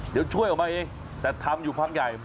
เดี๋ยวช่วยออกมาเองแต่ทำอยู่พักใหญ่